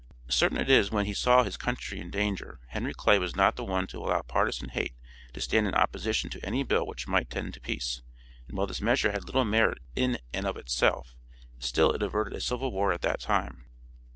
Certain it is when he saw his country in danger Henry Clay was not the one to allow partisan hate to stand in opposition to any bill which might tend to peace, and while this measure had little merit in it of itself, still it averted a civil war at that time.